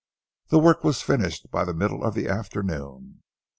The work was finished by the middle of the afternoon.